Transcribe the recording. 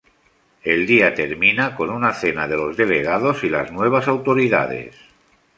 El día termina con una cena de los delegados y las nuevas autoridades.